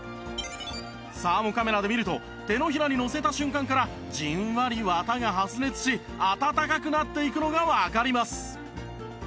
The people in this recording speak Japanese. サーモカメラで見ると手のひらにのせた瞬間からじんわり綿が発熱し暖かくなっていくのがわかります